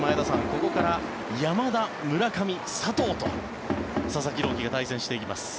ここから山田、村上、佐藤と佐々木朗希が対戦していきます。